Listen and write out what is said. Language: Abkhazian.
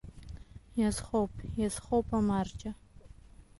Иазхоуп, иазхоуп, амарџьа!